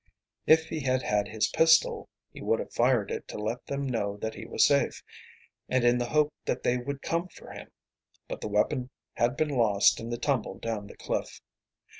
If he had had his pistol he would have fired it to let them know that he was safe, and in the hope that they would come for him. But the weapon had been lost in the tumble down the cliff.